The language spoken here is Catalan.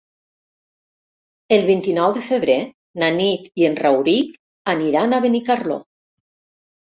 El vint-i-nou de febrer na Nit i en Rauric aniran a Benicarló.